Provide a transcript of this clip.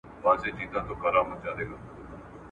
ځه د جهاني وروستي خزان ته غزل ولیکو !.